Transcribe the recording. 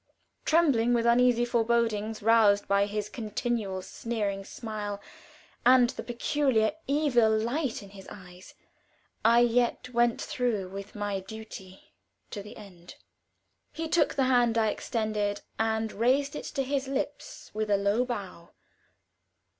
Trembling with uneasy forebodings roused by his continual sneering smile, and the peculiar evil light in his eyes, I yet went through with my duty to the end. He took the hand I extended, and raised it to his lips with a low bow.